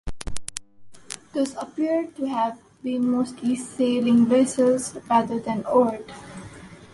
These appear to have been mostly sailing vessels, rather than oared.